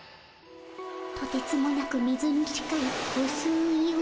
とてつもなく水に近いうすいうすい味。